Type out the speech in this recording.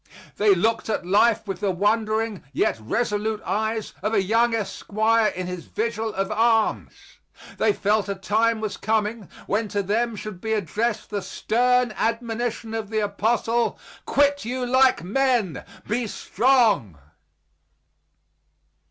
They looked at life with the wondering yet resolute eyes of a young esquire in his vigil of arms. They felt a time was coming when to them should be addressed the stern admonition of the Apostle, "Quit you like men; be strong."